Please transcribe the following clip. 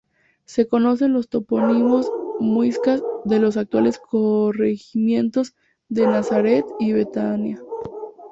Se conocen los topónimos muiscas de los actuales corregimientos de Nazareth y Betania.